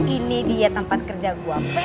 ini dia tempat kerja gue